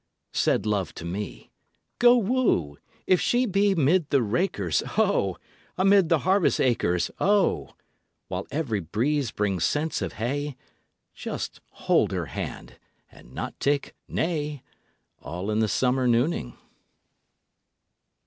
Said Love to me: "Go woo. If she be 'mid the rakers, O! Among the harvest acres, O! While every breeze brings scents of hay, Just hold her hand and not take 'nay,' All in the summer nooning."